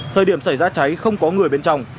thời điểm xảy ra cháy không có người bên trong